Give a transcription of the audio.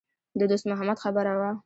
د دوست محمد خبره وه.